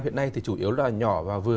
hiện nay thì chủ yếu là nhỏ và vừa